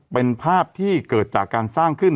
เป็นภาพที่เกิดจากการสร้างขึ้น